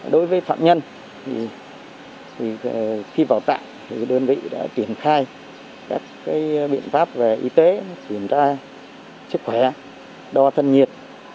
đối với phạm nhân thì khi vào tạng thì đơn vị đã triển khai các biện pháp về y tế triển khai chức khỏe đo thân nhiệt